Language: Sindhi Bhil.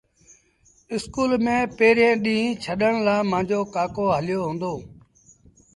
اسڪول ميݩ پيريٚݩ ڏيٚݩهݩ ڇڏڻ لآ مآݩجو ڪآڪو هليو هُݩدو۔